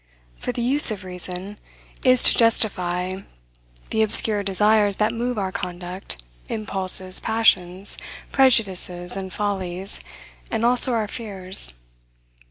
For the use of reason is to justify the obscure desires that move our conduct, impulses, passions, prejudices, and follies, and also our fears.